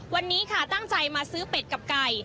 วันนี้ค่ะตั้งใจมาซื้อเป็ดกับไก่